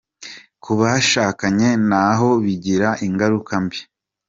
Ku bashakanye naho bigira ingaruka mbi.